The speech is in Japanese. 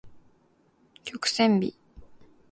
曲線美